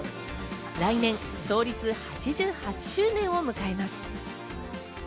来年創立８８周年を迎えます。